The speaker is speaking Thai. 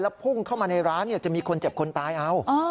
พุ่งเข้ามาในร้านจะมีคนเจ็บคนตายเอา